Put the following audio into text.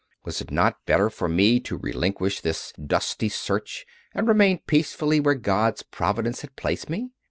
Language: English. Was it not better for me to relinquish this dusty search and remain peacefully where God s Providence had placed me?